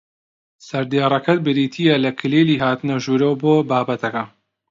سەردێڕەکەت بریتییە لە کلیلی هاتنە ژوورەوە بۆ بابەتەکە